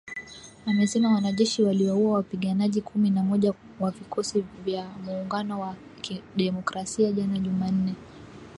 Amesema wanajeshi waliwaua wapiganaji kumi na moja wa Vikosi vya Muungano wa Kidemokrasia jana Jumanne.